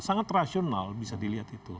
sangat rasional bisa dilihat itu